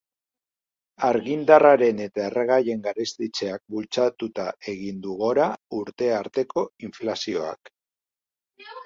Argindarraren eta erregaien garestitzeak bultzatuta egin du gora urte arteko inflazioak.